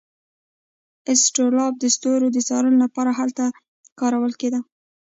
اسټرولاب د ستورو د څارنې لپاره هلته کارول کیده.